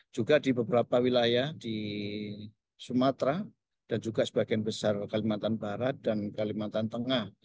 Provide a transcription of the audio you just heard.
juga di beberapa wilayah di sumatera dan juga sebagian besar kalimantan barat dan kalimantan tengah